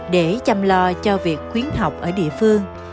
để chăm lo cho việc khuyến học ở địa phương